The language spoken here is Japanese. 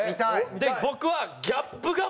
で僕は。